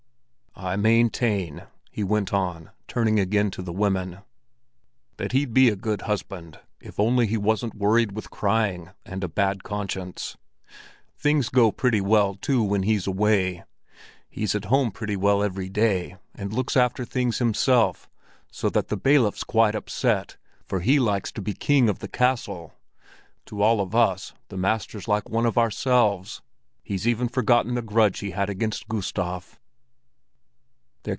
"I maintain"—he went on, turning again to the women—"that he'd be a good husband, if only he wasn't worried with crying and a bad conscience. Things go very well too when he's away. He's at home pretty well every day, and looks after things himself, so that the bailiff's quite upset, for he likes to be king of the castle. To all of us, the master's like one of ourselves; he's even forgotten the grudge he had against Gustav."